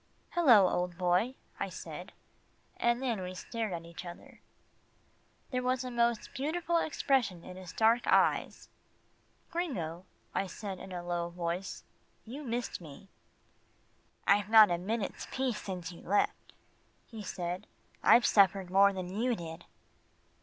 "Hello, old boy," I said, then we stared at each other. There was a most beautiful expression in his dark eyes. "Gringo," I said in a low voice, "you missed me." "I've not had a minute's peace since you left," he said. "I've suffered more than you did."